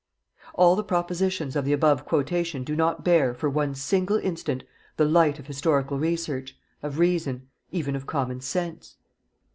All the propositions of the above quotation do not bear, for one single instant, the light of historical research, of reason, even of common sense.